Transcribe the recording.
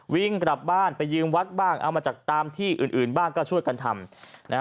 วิ่งกลับบ้านไปยืมวัดบ้างเอามาจากตามที่อื่นบ้างก็ช่วยกันทำนะฮะ